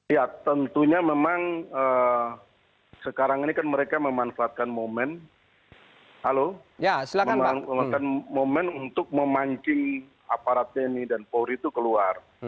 ya tentunya memang sekarang ini kan mereka memanfaatkan momen untuk memancing aparat tni dan polri itu keluar